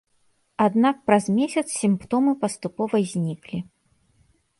Аднак праз месяц сімптомы паступова зніклі.